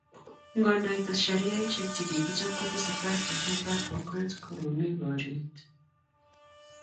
ngodoita sheriasheck che kikichob ko tesetai siset ab kokwet ko mo ni boryet